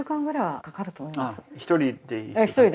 １人で？